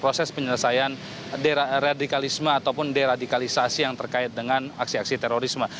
dari negara negara yang terkait dengan deradikalisme ataupun deradikalisasi yang terkait dengan aksi aksi terorisme